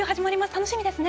楽しみですね。